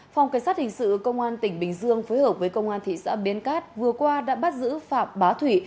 phòng cảnh sát hình sự công an tỉnh bình dương phối hợp với công an thị xã biên cát vừa qua đã bắt giữ phạm bá thủy